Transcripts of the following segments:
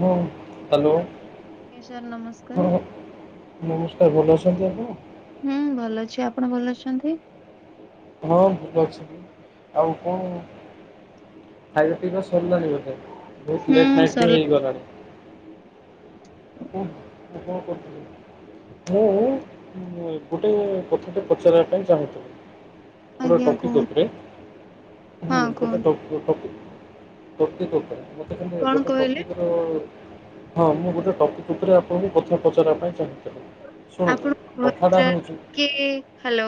ହଁ ଆଜ୍ଞା ସାର୍ ନମସ୍କାର ହଁ ନମସ୍ ସାର୍ ଭଲ ଅଛନ୍ତି ଆପଣ? ହୁଁ। ଭଲ ଅଛି। ଆପଣ ଭଲ ଅଛନ୍ତି? ହଁ ଭଲ ଅଛି। ଆଉ କଣ ଖାଇବା ପିଇବା ସରିଲାଣି ବୋଧେ। ବୋହୁତ ହୁଁ ଲେଟ୍ ନାଇଟ୍ ବି ସରିଲା। ହେଇଗଲାଣି। ଉଁ କୁଁ ଆଉ କଁ କରୁଥୁଲେ? ମୁଁ ଉଁ ଗୋଟେ କଥାଟେ ପଚାରିବା ପାଇଁ ଚାହୁଁଥିଲି। ଗୋଟେ ଆଜ୍ଞା ଟପିକ୍ କୁହନ୍ତୁ ଓପରେ ହୁଁ ହଁ ଗୋଟେ କୁହନ୍ତୁ ଟ ଟପି ଟପିକ୍ ଓପରେ ଗୋଟେ ଖାଲି କଣ ଗୋଟେ କହିଲେ ଟପିକ୍ ର ହଁ ମୁଁ ଗୋଟେ ଟପିକ୍ ଉପରେ ଆପଣଙ୍କୁ କଥା ପଚାରିବା ପାଇଁ ଚାହୁଁ ଶୁଣନ୍ତୁ ଆପଣଙ୍କ କଥାଟା ଭଏସଟା ହେଉଚି କି ହ୍ୟାଲୋ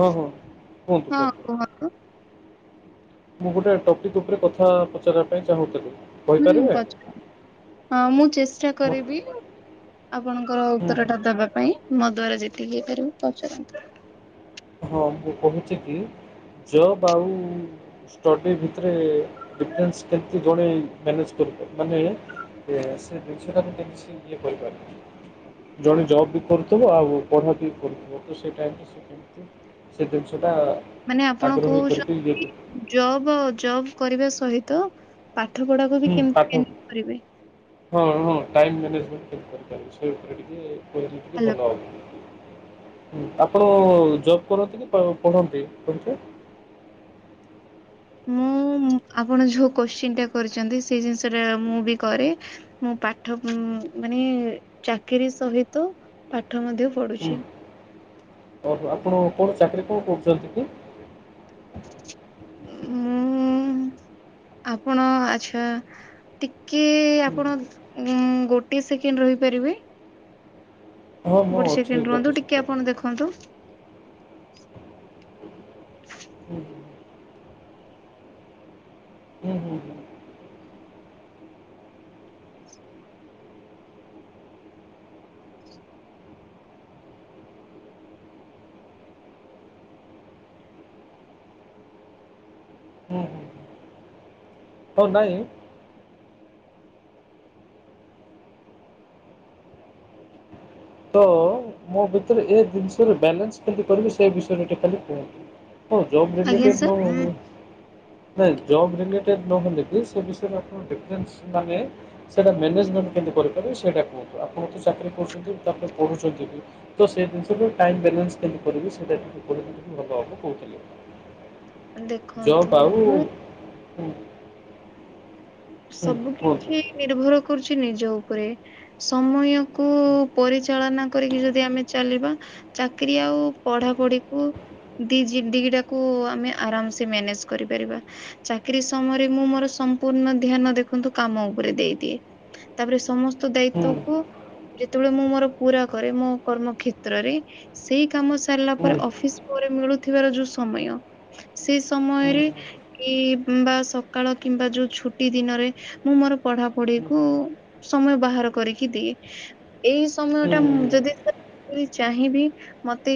ହଁ ହଁ କୁହନ୍ତୁ କୁହନ୍ତୁ। ମୁଁ ଗୋଟେ ଟପିକ୍ ଉପରେ କଥା ପଚାରିବା ପାଇଁ ଚାହୁଁଥୁଲି। ହୁଁ ପଚାର ହଁ ମୁଁ ଚେଷ୍ଟା ମୋ କରିବି ଆପଣଙ୍କର ହୁଁ ଉତ୍ତରଟା ଦବା ପାଇଁ ମୋ ଦ୍ଵାରା ଯେତିକି ହେଇପାରିବ ପଚାରନ୍ତୁ। ହଁ ମୁଁ କହୁଚି କି ଜବ୍ ଆଉ ଷ୍ଟଡ଼ି ଭିତରେ ଡିଫରେନ୍ସ କେମତି ଜଣେ ମ୍ୟାନେଜ୍ କରି ମାନେ ଯେ ସେ ଦିନିଷଟାକୁ କେମତି ଇଏ କରିପା ଜଣେ ଜବ୍ ବି କରୁଥୁବ ଆଉ ପଢ଼ା ବି କରୁଥୁବ ତ ସେ ଟାଇମ୍ ରେ ସିଏ କେମତି ସେ ଜିନିଷ ମାନେ ଆପଣ କୋହୁଛନ୍ତି କରି- ଜବ୍ ଆଉ ଜବ୍ କରିବା ସହିତ ପାଠ ପଢ଼ାକୁ ବି ହୁଁ କେମତି ପାଠ ପ୍ୟାନି କରିବେ। ହଁ ହଁ ଟାଇମ୍ ମ୍ୟାନେଜମେଣ୍ଟ୍ କେମତି କରିପାରିବ ସେଇ ଉପରେ ଟିକେ କହିଲେ ଟିକେ ହ୍ୟାଲୋ। ଭଲ ହବ। ଉଁ ଆପଣ ଜବ୍ କରନ୍ତି କି ପ ପଢ଼ନ୍ତି ଅବିକା? [inaudible] ମୁଁ ଉଁ ଆପଣ ଯୋଉ କୋଶ୍ଚିନ୍ ଟା କରିଚନ୍ତି ସେ ଜିନିଷଟା ମୁଁ ବି କରେ ମୁଁ ପାଠ ପୁଁ ଉଁ ମାନେ ଚାକିରୀ ସହିତ ପା ହୁଁ ଅହୋ ଆପଣ କଣ ଚାକିରି କଣ କରୁଚନ୍ତି କି? [inaudible] ମୁଁ ଆପଣ ଆଚ୍ଛା ଟି କି ହୁଁ, ଆପଣ ଉଁ ଗୋଟିଏ ସେକେଣ୍ଡ୍ ରହିପାରିବେ? ହଁ ମୁଁ ଗୋଟେ ଅଛି ସେକେଣ୍ଡ ଗୋଟେ ରୁହନ୍ତୁ ଟିକେ ସେକେଣ୍ଡ। ଆପଣ ଦେଖନ୍ତୁ ହୁଁ ହୁଁ। ହୁଁ ହୁଁ ହୁଁ। ହୁଁ ହୁଁ ହଉ ନାଇଁ ତ ମୋ ଭିତରେ ଏ ଜିନିଷରେ ବ୍ୟାଲାନ୍ସ କେମତି କରିବି ସେ ବିଷୟରେ ଟିକେ ଖାଲି କୁହନ୍ତୁ। ହୋ ଜବ୍ ଆଜ୍ଞା ରିଲେଟେଡ଼୍ ନ ସାର୍। ହୋଉ। ନାଇଁ ଜବ୍ ରିଲେଟେଡ଼୍ ନହଲେ ବି ସେ ବିଷୟରେ ଆପଣ ଡିଫରେନ୍ସ୍ ମାନେ ସେଇଟା ମେନେଜ୍ କେମତି କରିପାରିବି ସେଇଟା କୁହନ୍ତୁ ଆପଣ ତ ଚାକିରି କରୁଚନ୍ତି ତ ଆପଣ ପଢ଼ୁଚନ୍ତି ବି ତ ସେ ଦିନିଷଟା ଟାଇମ୍ ବେଲେନ୍ସ୍ କେମତି କରିବି ସେଟା ଟିକେ କହିଲେ ଟିକେ ଭଲ ହେବ କୋହୁଥିଲି। ଦେଖନ୍ତୁ ଜବ୍ ଆଉ ମୁଁ ଉଁ ସବୁ କିଛି ନିର୍ଭର କରୁଚି ନିଜ ଓପରେ ସମୟ କୁ ପରିଚାଳନା କରିକି ଯଦି ଆମେ ଚାଲିବା ଚାକିରି ଆଉ ପଢ଼ାପଢ଼ିକୁ ଦିଜି ଦିଟାକୁ ଆମେ ଆରାମସେ ମ୍ୟାନେଜ୍ କରିପାରିବା ଚାକିରି ସମୟରେ ମୁଁ ମୋର ସ ସମ୍ପୂର୍ଣ ଧ୍ୟାନ ଦେଖନ୍ତୁ କାମ ଉପରେ ଦେଇଦିଏ ତାପରେ ସମସ୍ତ ହୁଁ ଦାୟିତ୍ଵକୁ ଯେତୋଳେ ମୁଁ ମୋର ପୁରା କରେ ମୋ କର୍ମ କ୍ଷେତ୍ରରେ ସେଇ କାମ ସାରିଲା ହୁଁ ହୁଁ ପରେ ଅଫିସ୍ ପରେ ମିଳୁଥିବାର ଯୋଉ ସମୟ ସେ ହୁଁ ସମୟରେ କି ବା ସକାଳ କିମ୍ବା ଯୋଉ ଛୁ ଟି ଦିନରେ ମୁଁ ମୋର ପଢ଼ା ପଢ଼ି ହୁଁ ହୁଁ କୁ ସମୟ ବାହାର କରିକି ଦିଏ ଏଇ ସମୟଟା ମୁଁ ଯଦି ହୁଁ ସେ ମୁଁ ଚାହିଁବି ମତେ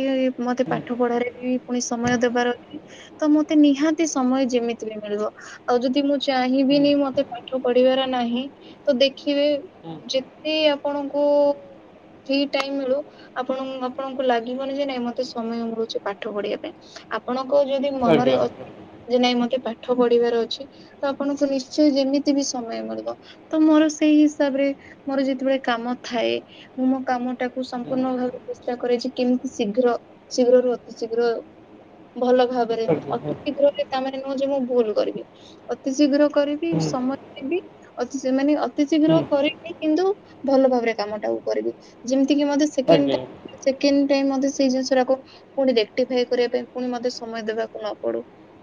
ମତେ ପାଠ ପଢ଼ାରେ ବି ପୁଣି ସମୟ ଦେବାର ଅଛି ତ ମୁଁ ମତେ ନିହାତି ସମୟ ଯେମିତି ବି ମିଳିବ ଆଉ ଯଦି ମୁଁ ଚାହିଁ ହୁଁ ବିିନି ମତେ ପାଠ ପଢ଼ିବାର ନାହିଁ ତ ଦେଖିବେ। ଯେତେ ଆପଣଙ୍କୁ। ଫ୍ରୀ ଟାଇମ ମିଳୁ ଆପଣ ଆପଣଙ୍କୁ ଲାଗିବନି ଯେ ନାଇଁ ମତେ ସମୟ ମିଳୁଛି ପାଠ ପଢ଼ିବା ପାଇଁ ଆପଣ ଙ୍କ ଯଦି ମନରେ ଆଜ୍ଞା ଆଜ୍ଞା ଅଛି ଯେ ନାଇଁ ମତେ ପାଠ ପଢ଼ିବାର ଅଛି ତ ଆପଣଙ୍କୁ ନି ନିଶ୍ଚୟ ଯେମିତି ବି ସମୟ ମିଳିବ ତ ମୋର ସେଇ ହିସାବରେ ମୋର ଯେତେବେଳେ କାମ ଥାଏ। ମୁଁ ମୋ କାମ ଟାକୁ ହୁଁ ସମ୍ପୂର୍ଣ୍ଣ ଭାବେ ଚେଷ୍ଟା କରେ ଯେ କେମିତି ଶୀଘ୍ର ଶୀଘ୍ରରୁ ଅତି ଶୀଘ୍ର। ହ [inaudible] ଭଲ ଭାବରେ ଅତି ଶୀଘ୍ରରେ ତାମାନେ ନୁହଁ ଯେ ମୁଁ ଭୁଲ କରିବି ଅତି ଶୀଘ୍ର କରି ବି ହୁଁ ସମୟ ଦେବି ଅତି ସି ମାନେ ଅତି ଶୀଘ୍ର ହୁଁ କରିବି କିନ୍ତୁ ଭଲ ଭାବରେ କାମଟାକୁ କରି ବି ଯେମିତିକି ମତେ ଆଜ୍ଞା ସେକେଣ୍ଡ ଟାଇମ ସେକେଣ୍ଡ। ଟାଇମ ମତେ ସେଇ ଜିନିଷଟାକୁ ପୁଣି ରେକଟିଫାଏ କରିବା ପାଇଁ ପୁଣି ମତେ ସମୟ ଦେବାକୁ ନ ପଡୁ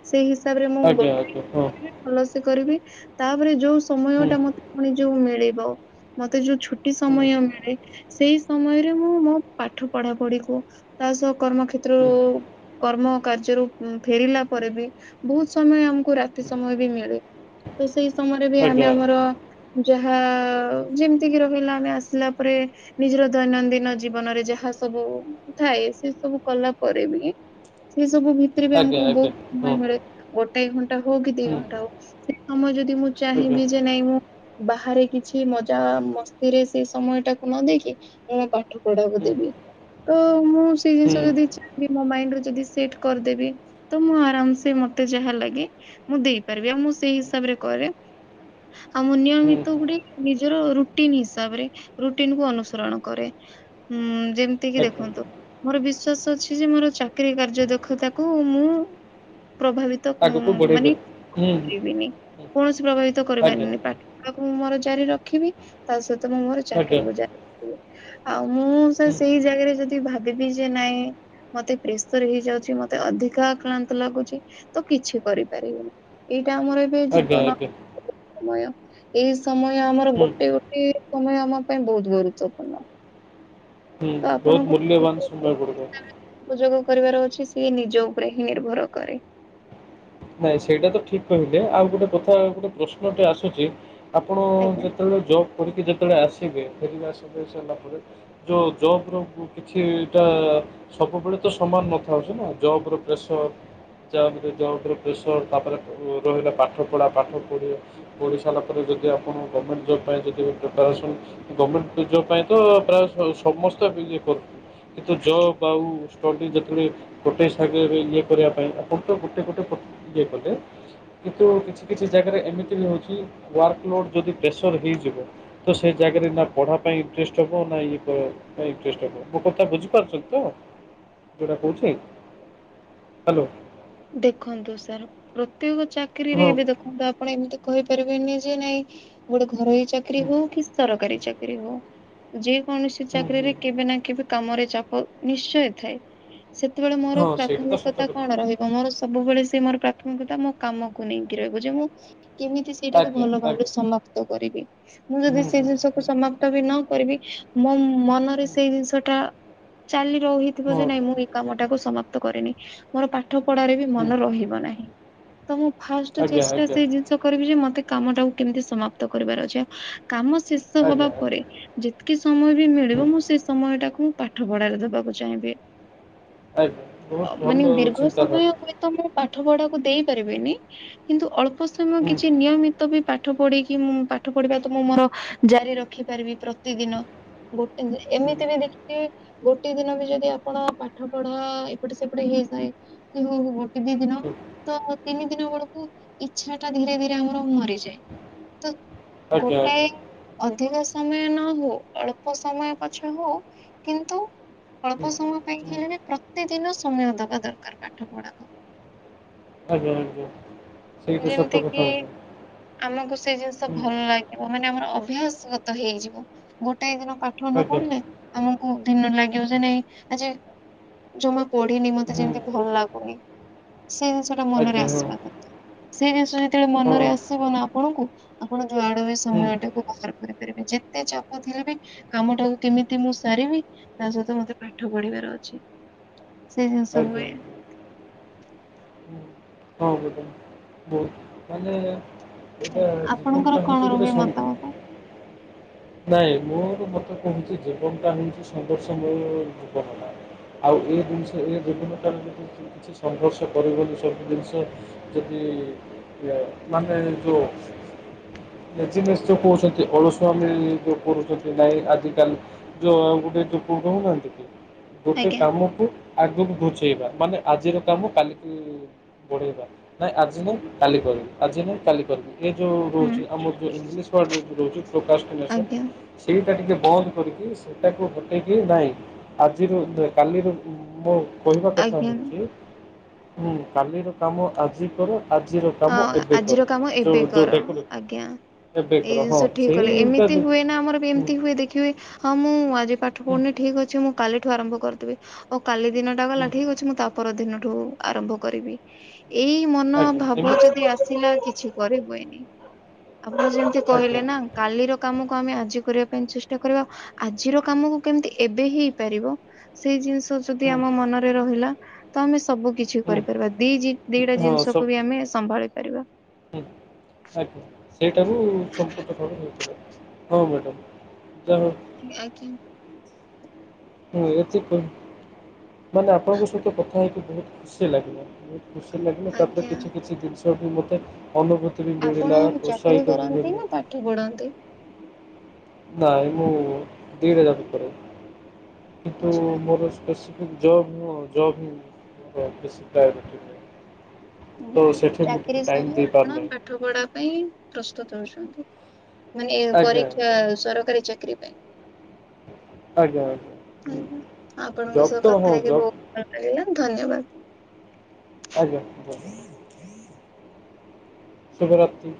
ସ ସେଇ ହିସାବରେ ମୁଁ ଆଜ୍ଞା ଗୋଟାଏ ଆଜ୍ଞା ହଁ ହୁଁ କରିବି ଭଲସେ କରିବି ତାପରେ ଯୋଉ ସମୟ ଟା ମତେ ପୁଣି ଯୋଉ ମିଳିବ। ମତେ ଯୋଉ ଛୁଟି ହୁଁ ସମୟ ମିଳେ ସେଇ ସମୟରେ ମୁଁ ମୋ ପାଠ ପଢ଼ାପଢିକୁ। ତା ସହ କର୍ମ ହୁଁ କ୍ଷେତ୍ରରୁ କର୍ମ କାର୍ଯ୍ୟରୁ ଉଁ ଫେରିଲା ପରେ ବି ବହୁତ ସମୟ ଆ କୁ ରାତି ହୁଁ, ସମୟ ବି ମିଳେ ତ ସେଇ ସମୟରେ ବି ଆମେ ଆଜ୍ଞା ଆମର। ଯାହା ଯେମିତିକି ରହିଲା ଆମେ ଆସିଲା ପରେ ନିଜର ଦୈନନ୍ଦିନ ଜୀବନରେ ଯାହା। ସବୁ ଥାଏ ସେ ସବୁ କଲା ପରେ ବି ସେ ସବୁ ଭିତରେ ବି ଆଜ୍ଞା ଆମକୁ ଆଜ୍ଞା ବହୁତ ହଁ ସମୟ ମିଳେ ଗୋଟାଏ ଘଣ୍ଟା ହଉ କି ଦି ହୁଁ ଘଣ୍ଟା ହଉ ସେ ସମୟ ଯଦି ଦି ମୁଁ ଆଜ୍ଞା ଚାହିଁବି ଯେ ନାଇଁ ମୁଁ। ବାହାରେ କିଛି ମଜା ମସ୍ତିରେ ସେଇ ସମୟ ଟାକୁ ନ ଦେଇକି ମୁଁ ମୋ ପାଠ ପଢ଼ାକୁ ହୁଁ ଦେବି। ତ ମୁଁ ସେଇ ହୁଁ ଜିନିଷ ଯଦି ଚାହିଁବି ମୋ ମାଇଣ୍ଡରେ ଯଦି ସେଟ୍ କରିଦେବି ତ ମୁଁ ଆରାମସେ ମତେ ଯାହା ଲାଗେ ମୁଁ ଦେଇପାରିବି ଆଉ ମୁଁ ସେଇ ହିସାବରେ କରେ। ଆଉ ମୁଁ ହୁଁ ନିୟମିତ ଗୁଟେ ନିଜର ରୁଟିନ ହିସାବରେ ରୁଟିନକୁ ଅନୁସରଣ କରେ। ହୁଁ ଯେମିତିକିି ଆଜ୍ଞା ଦେଖନ୍ତୁ। ମୋର ବିଶ୍ଵାସ ଅଛି ଯେ ମୋର ଚାକିରୀ କାର୍ଯ୍ୟ ଦକ୍ଷତାକୁ ମୁଁ। ପ୍ରଭାବିତ ଉଁ ଆଗକୁ ବଢ଼େଇବେ ମାନେ ହୁଁ ପାରିବିନି। କୌଣସି ପ୍ରଭାବିତ ଆଜ୍ଞା କରିପାରିନି ପାଠପଢ଼ାକୁ ମୁଁ ମୋର ଜାରି ରଖିବି ତା ସହ ତ ମୁଁ ମୋର ଆଜ୍ଞା ହୁଁ ଚାକିରୀକୁ ଯାଇଥିବି। ଆଉ ମୁଁ ସେ ସେଇ ଜାଗାରେ ଯଦି ଭାବିବି ଯେ ନାଇଁ। ମତେ ପ୍ରେସର ହେଇଯାଉଛି ମତେ ଅଧିକା ଆକ୍ଲାନ୍ତ ଲାଗୁଛି ତ କିଛି କରିପାରିବିନି ଏ ଏଇଟା ଆମର ଏ ଆଜ୍ଞା ଆଜ୍ଞା। ସମୟ ଏଇ ସମୟ ଆମର ହୁଁ ଗୋଟେ ଗୋଟେ ସମୟ ଆମ ପାଇଁ ବହୁତ ଗୁରୁତ୍ୱପୂର୍ଣ୍ଣ। ହୁଁ ତ ବହୁତ ଆପଣଙ୍କୁ ମୂଲ୍ୟବାନ ସମୟ ସୁନ୍ଦର ପଡ଼ିବ। ଉପଯୋଗ କରିବାର ଅଛି ସିଏ ନିଜ ଉପରେ ହିଁ ନିର୍ଭର କରେ। ନାଇଁ ସେଇଟା ତ ଠିକ କହିଲେ ଆଉ ଗୋଟେ କଥା ଗୋଟେ ପ୍ରଶ୍ନଟେ ଆସୁଛି। ଆପଣ ଆଜ୍ଞା। ଯେତେବେଳେ ଜବ କରିକି ଯେ ଯେତେବେଳେ ଆସିବେ ଫେରିବା ସବୁ ସାରିଲା ପରେ ଯୋ ଜବର ବୁ କିଛିଟା ସବୁବେଳେ ତ ସମାନ ନ ଥାଉଛି ନା ଜବ୍ ର ପ୍ରେସର ଯା ବି ହେଲେ ଜବ୍ ର ପ୍ରେସର ତାପରେ ର-ରହିଲା ପାଠ ପଢ଼ା ପାଠପଢ଼ି ପଢ଼ି ସାରିଲା ପରେ ଯଦି ଆପଣ ଗମେଣ୍ଟ ଜବ। ପାଇଁ ଯଦି ବି ପ୍ରିପାରେସନ୍ ଗମେଣ୍ଟ ଜବ୍ ପାଇଁ ତ ପ୍ରାୟ ସ-ସମସ୍ତେ ବି ଇଏ କରୁ। କିନ୍ତ ଜବ୍ ଆଉ ଷ୍ଟଡ଼ି ଯେତେବେଳେ ଗୋଟେ ସାଙ୍ଗରେ ଇଏ କରିବା ପାଇଁ ଆପଣ ତ ଗୋଟେ ଗୋଟେ ପ ଇଏ କଲେ କିନ୍ତୁ କିଛି କିଛି ଜାଗାରେ ଏମିତି ବି ହଉଛି ୱାର୍କଲୋଡ଼୍ ଯଦି ପ୍ରେସର ହି ଯିବ ତ ସେ ଜାଗାରେ ନା ପଢ଼ା ପାଇଁ ଇଣ୍ଟରେଷ୍ଟ ରହିବ ନା ଇଏ ପା ପାଇଁ ଇଣ୍ଟରେଷ୍ଟ ରହିବ ମୋ କଥା ବୁଝି ପା ବୁଝି ପାରୁଛନ୍ତି ତ ଯୋଉଟା କହୁଛି ହାଲୋ। ଦେଖନ୍ତୁ ସାର୍ ପ୍ରତ୍ୟେକ ଚାକିରିରେ ହଁ ଏବେ ଦେଖନ୍ତୁ ଆପଣ, ଏମିତି କହିପାରିବେନି ଯେ -ନାଇଁ ଗୋଟେ ଘରୋଇ ଚାକିରୀ ହୁଁ ହଉ କି ସରକାରୀ ଚାକିରି ହଉ, ଯେ କୌଣସି ହୁଁ ହୁଁ ଚାକିରୀରେ କେବେ ନା କେବେ କାମରେ ଚାପ ନିଶ୍ଚୟ ଥାଏ, ସେତେବେଳେ ହଁ ମୋର ସେଇଟା ତ ସତ ପ୍ରାଥମିକତା କଣ କଥା ରହିବ? ମୋର ସବୁବେଳେ ସେ ମୋର ପ୍ରାଥମିକତା ମୋ କାମକୁ ନେଇକି ରାଗୁଛି ମୁଁ କେମିତି ସେଇଟାକୁ ଆଜ୍ଞା ଭଲ ଭାବରେ ଆଜ୍ଞା ସମାପ୍ତ କରିବି ମୁଁ ହୁଁ ଯଦି ହୁଁ ସେଇ ହୁଁ ଜିନିଷକୁ ସମାପ୍ତ ବି ନ କରିବି ମୋ ମନରେ ହୁଁ ସେଇ ଜିନିଷଟା କାଲି ରହିଥିବ ହଁ ଯେ ନାଇଁ ମୁଁ ଏଇ କାମଟାକୁ ସମାପ୍ତ କରିନି ମୋର ପା ପାଠ ପଢ଼ାରେ ବି ହୁଁ ମନ ରହିବ ନାହିଁ। ତ ମୁଁ ଫାଷ୍ଟ ଆଜ୍ଞା ଚେଷ୍ଟା ଆଜ୍ଞା ସେଇ ଜିନିଷ କରିବି ଯେ ମତେ କାମଟାକୁ କେମିତି ସମାପ୍ତ କରିବାର ଅଛି କାମ ଶେଷ ହବା ଆଜ୍ଞା ପରେ ଆଜ୍ଞା ଯେତିକି ସମୟ ବି ହୁଁ ମିଳିବ ମୁଁ ସେ ସମୟଟାକୁ ପାଠ ପଢାରେ ଦବାକୁ ଚାହିଁବି। ଆଜ୍ଞା ଅ ବହୁତ ମାନେ ଭଲ ଦୀର୍ଘ ହଉଛି। ସମୟ ହୁଏତ ମୁଁ ପାଠ ପଢାକୁ ଦେଇପାରିବିନି କିନ୍ତୁ ଅଳ୍ପ ସମୟ ହୁଁ କିଛି ନିୟମିତ ବି ପାଠ ପାଠ ପଢିକି ମୁଁ ପାଠ ପଢିବା ତ ମୁଁ ମୋର ଜାରି ରଖି ପାରିବି ପ୍ରତିଦିନ। ଗୋଟେ ହୁଁ ଏମିତି ବି ଦେଖିକି ଗୋଟେ ଦିନ ବି ଯଦି ଆପଣ ପାଠ ପଢା ଏପଟେ ସେପଟେ ହେସଏ [unintelligible] କି ହଉ ହଉ ଗୋଟେ ଦି ଦିନ ହୁଁ ତ ତିନି ଦିନ ବେଳକୁ ଇଚ୍ଛା ଟା ଧୀରେ ଧୀରେ ଆମର ମରିଯାଏ ତ ଆଜ୍ଞା ଗୋଟାଏ ଆଜ୍ଞା ଅଧିକ ସମୟ ନ ହଉ ଅଳ୍ପ ସମୟ ପଛ ହଉ କିନ୍ତୁ ହୁଁ ଅଳ୍ପ ସମୟ ପାଇଁ ହୁଁ ହେଲେଣି ପ୍ରତିଦିନ ସମୟ ଦେବା ଦରକାର ପାଠପଢାକୁ। ଆଜ୍ଞା ଆଜ୍ଞା ସେଇଟା ଯେମିତି ସତ କିି କଥା ଆଜ୍ଞା। ଆମକୁ ସେ ଜିନିଷ ହୁଁ ଭଲ ଲାଗିବ ମାନେ ଆମର ଅଭ୍ୟାସ ଗତ ହେଇଯିବ ଗୋଟାଏ ଦିନ ପାଠ ନ ଆଜ୍ଞା ପଢିଲେ ଆମକୁ ଦିନ ଲାଗିବ ଯେ ନାଇଁ ଆଜି ଜମା ପଢିନି ମତେ ହୁଁ ଯେମିତି ଭଲ ଲାଗୁନି ସେଇ ଜିନିଷଟା ମନରେ ଆଜ୍ଞା ହଁ ଆସିବା କଥା। ସେଇ ଜିନିଷ ଯେତେବେଳେ ହଁ ମନରେ ଆସିବ ନା ଆପଣଙ୍କୁ ଆପଣ ଯୁଆଡ ବି ହୁଁ ସମୟ ଟାକୁ ବାହାର କରିପାରିବେ ଯେ ଏତେ ଚାପ ଥିଲେ ବି କାମଟାକୁ କେମିତି ମୁଁ ସାରିବି ତା ସହିତ ମତେ ପାଠ ପଢିବାର ଅଛି। ହଁ [inaudible] ସେୟା ସବୁ ହୁଏ। ହଁ ମ୍ୟାଡ଼ାମ୍ ବହୁତ ମାନେ ଏଇଟା ଆପଣଙ୍କର ଜୀବନଟା କଣ ହେଉଛି ଗୋଟେ ରୁହେ ସଂ ମତାମତ? ନାଇଁ ମୋର ମତେ କହୁଛି ଜୀବନ ଟା ହଉଛି ସଂଘଷ ଜୀବନ ହେଲା। ଆଉ ଏ ଜିନିଷ ଏ ଯବନତାରେ ଯଦି କିଛି ସଂଘର୍ଷ କରିବନ ସବୁ ଜିନିଷ ଯଦି ମାନେ ଲେଜ଼ନେସେ ଯଉ କହୁଛନ୍ତି ଅଳୁସୁଆ ଯ କରୁଛନ୍ତି ନାଇଁ ଆଜିକାଲି ଯୋଉ ଗୋଟେ ଯୋକ କହୁନାହାନ୍ତି କି? ଗୋଟେ ଆଜ୍ଞା କାମକୁ ଆଗକୁ ବୁଝେଇବା ମାନେ ଆଜିର କାମ କାଲିକି ବଢ଼େଇବା ନାଇଁ ଆଜି ନାାଇଁ କାଲି କରିବା। ଆଜି ନାଇଁ କାଲି କରିବ। ଏ ଯେଉଁ ହୁଁ ରହୁଛି ଆମର ଯେଉଁ ଇଂଲିଶ ୱାର୍ଡ଼ରେ ଯେଉଁ ରହୁଛି ପ୍ରକାଶ କନେସନ୍ ଆଜ୍ଞା ସେଇଟା ଟିକେ ବନ୍ଦ କରିକି ସେଟାକୁ ହଟେଇକି ନାହିଁ ଆଜି କାଲି ମୁ କହିବା କଥା ଆଜ୍ଞା ହେଉଛି ହଁ କାଲିର କାମ ଆଜି କର ଆଜିର କାମ ହଁ ଏବେ ଆଜିର କର କାମ ଏବେ ଯଉ ଯୋଉ କର ଡେକୋ ଆଜ୍ଞା। ଏବେ ଏଇ କର ହଁ। ଜିନିଷ ଠିକ ସେଇଟା ଏମିତି ଯ- ହୁଏ ନା ଆମର ହୁଁ ଏମତି ହୁଏ ଦେଖିବେ ହଁ ମୁଁ ଆଜି ପାଠ ହୁଁ ପଢୁନି ଠିକ ଅଛି ମୁ କାଲିଠୁ ଆରମ୍ଭ କରିଦବି ଆଉ କାଲି ଦିନ ଟା ଗଲା ହୁଁ ଠିକ ଅଛିଁ ତା ପର ଦିନ ଠୁ ଆରମ୍ଭ କରିବି ଏଇ ମନ ଆଜ୍ଞା ଭାବ ଏମିତି ଯଦି ଆସିଲା କିଛି କରିବଏନି ଆପଣ ଯେମିତି ଆଜ୍ଞା କହିଲେ ନା କାଲିର କାମ ଆମେ ଆଜି କରିବା ପାଇଁ ଚେଷ୍ଟା କରିବା ଆଜିର କାମକୁ କେମିତି ଏବେ ହି ହେଇପାରିବ ସେଇ ଜିନିଷ ଯଦି ହୁଁ ଆମ ମନରେ ରହିଲା ତ ଆମେ ସବୁ କିଛି ହୁଁ କରିପାରିବା ଦି ଦିଟା ହଁ ସବୁ ଜିନିଷକୁ ବି ଆମେ ସମ୍ଭାଳି ପାରିବା। ସେଇଟାରୁ ସମ୍ପୂର୍ଣ୍ଣ ଭାବ ଆଜ୍ଞ। ହୁଁ ଏତି ମାନେ ଆପଣଙ୍କ ସହିତ କଥା ହେଇକି ବୋହୁତ ଖୁସି ଲାଗେ। ଖୁସି ଲାଗିଲେ ତାପରେ ଆଜ୍ଞା କିଛି କିଛି ଜିନିଷ ବି ମୋତେ ଅନୁଭୂତି ବି ଆପଣ ମିଳିଲା ଚାକିରୀ ଉତ୍ସାହିତ ବି କରନ୍ତି ମିଳି ନା ପାଠ ପଢନ୍ତି? ନାଇଁ ମୁଁ ଦି ହଜାରରେ କିନ୍ତୁ ଆଚ୍ଛା ମୋର କି ଜବ ହ ଜବ ହ କିଶ ପ୍ରାୟରିଟି ଆଜ୍ଞା ଚାକିରୀ ସହ ଆପଣ ଦେଇପାରୁନାହିଁ। ପାଠ ପଢା ପାଇଁ ପ୍ରସ୍ତୁ ଛନ୍ତି ମାନେ ଆଜ୍ଞା ପରୀକ୍ଷା ଆଜ୍ଞା ସରକାରୀ ଚାକିରୀ ପାଇଁ ଆଜ୍ଞା ଆଜ୍ଞା ହୁଁ, ଆପଣଙ୍କ ଜବ୍ ସହ ତ ହଁ କଥା ହେଇକି ଜବ୍ ବୋହୁତ ଭଲ ଲାଗିଲା। ଧନ୍ୟବାଦ। ଆଜ୍ଞା। ଶୁଭ ରାତ୍ରି।